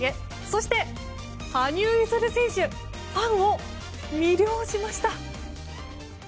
そして、羽生結弦選手ファンを魅了しました！